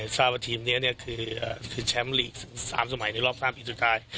ทราบว่าทีมนี้คือแชมป์ลีก๓สมัยในรอบ๓ปีสุดท้าย